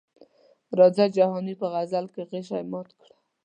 راځه جهاني په غزل کې غشي مات کړه.